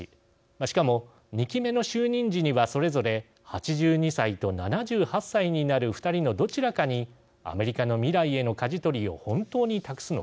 しかも２期目の就任時にはそれぞれ８２歳と７８歳になる２人のどちらかにアメリカの未来へのかじ取りを本当に託すのか。